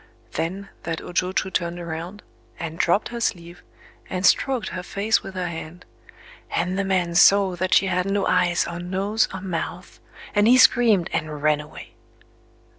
Then that O jochū turned around, and dropped her sleeve, and stroked her face with her hand;—and the man saw that she had no eyes or nose or mouth,—and he screamed and ran away.